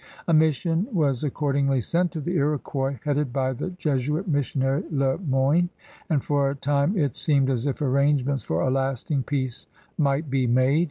A mission was accordingly sent to the Iroquois, headed by the Jesuit missionary Le Moyne, and for a time it seemed as if arrangements for a lasting peace might be made.